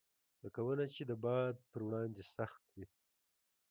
لکه ونه چې د باد پر وړاندې سخت وي.